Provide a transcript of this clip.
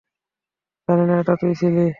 জানি এটা তুই ছিলি।